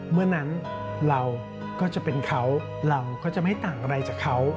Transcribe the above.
เมื่อนั้นเราก็จะเป็นเขาเราก็จะไม่ต่างอะไรจากเขา